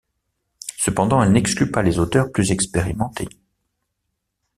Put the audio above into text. Cependant elle n'exclut pas les auteurs plus expérimentés.